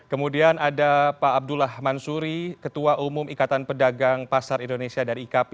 kemudian ada pak abdullah mansuri ketua umum ikatan pedagang pasar indonesia dari ikp